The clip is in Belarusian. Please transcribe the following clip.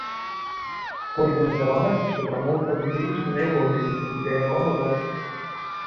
Кожнаму здавалася, што прамоўца выключна на яго глядзіць і да яго гаворыць.